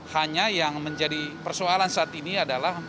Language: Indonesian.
hanya yang menjadi persoalan saat ini adalah